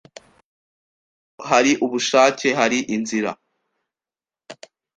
Aho hari ubushake, hari inzira.